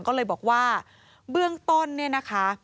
ก็เลยบอกว่าเบื้องต้นเนี่ยนะคะ